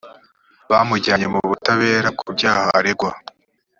bamujyanye mu butabera ku byaha aregwa